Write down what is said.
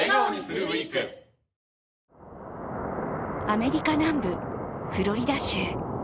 アメリカ南部、フロリダ州。